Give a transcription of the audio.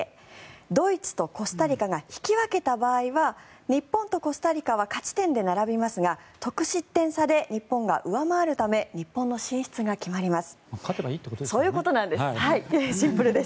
ドイツとコスタリカが引き分けた場合は日本とコスタリカは勝ち点で並びますが得失点差で日本が上回るため日本の進出が決まります。